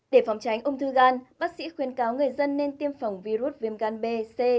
để phòng tránh ung thư gan bác sĩ khuyên cáo người dân nên tiêm phòng virus viêm gan b c